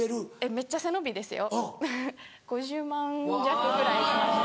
めっちゃ背伸びですよ５０万弱ぐらいしました。